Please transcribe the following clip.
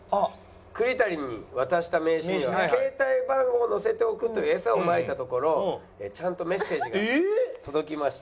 栗谷に渡した名刺には携帯番号を載せておくというエサをまいたところちゃんとメッセージが届きまして。